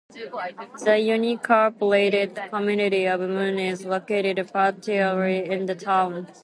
The unincorporated community of Moon is located partially in the town.